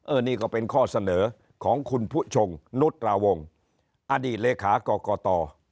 เออนี่ก็เป็นข้อเสนอของคุณผู้ชมนุษย์กลาวงอดีตเลขากกต